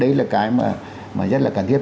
đấy là cái mà rất là cần thiết